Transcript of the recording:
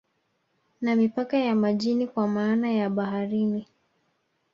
Na mipaka ya majini kwa maana ya baharini